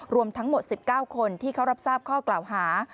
รวมทั้งหมด๑๙คนที่เขารับทราบข้อกล่าวหา